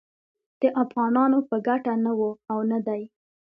د افغانانو په ګټه نه و او نه دی